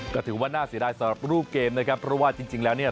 ก็ถือว่าน่าเสียดายสำหรับรูปเกมนะครับเพราะว่าจริงแล้วเนี่ย